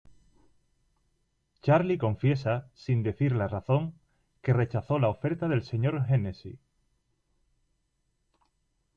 Charlie confiesa, sin decir la razón, que rechazó la oferta del Sr Hennessy.